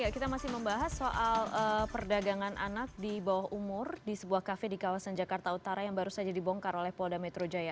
kita masih membahas soal perdagangan anak di bawah umur di sebuah kafe di kawasan jakarta utara yang baru saja dibongkar oleh polda metro jaya